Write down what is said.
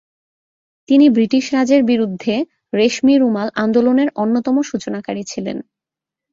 তিনি ব্রিটিশ রাজের বিরূদ্ধে রেশমি রুমাল আন্দোলনের অন্যতম সূচনাকারী ছিলেন।